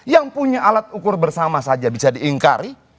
yang punya alat ukur bersama saja bisa diingkari